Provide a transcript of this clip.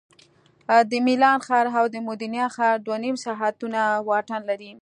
د میلان ښار او مودینا ښار دوه نیم ساعتونه واټن لري